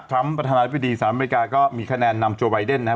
ประธานาธิบดีสหรัฐอเมริกาก็มีคะแนนนำโจไวเดนนะครับ